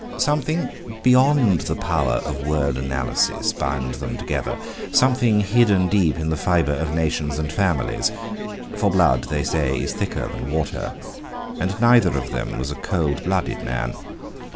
Something beyond the power of word analysis bound them together, something hidden deep in the fibre of nations and families—for blood, they say, is thicker than water—and neither of them was a cold blooded man.